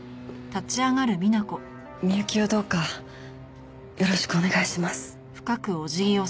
美幸をどうかよろしくお願いします。